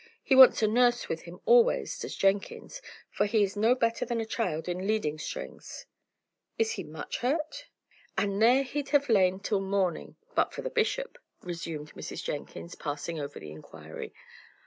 He wants a nurse with him always, does Jenkins, for he is no better than a child in leading strings." "Is he much hurt?" "And there he'd have lain till morning, but for the bishop," resumed Mrs. Jenkins, passing over the inquiry.